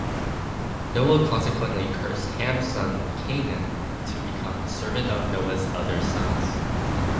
Noah consequently cursed Ham's son Canaan to become the servant of Noah's other sons.